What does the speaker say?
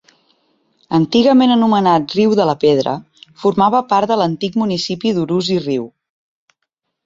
Antigament anomenat Riu de Pedra, formava part de l'antic municipi d'Urús i Riu.